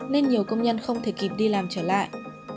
nên nhiều công nhân không thể kịp đi làm trở lại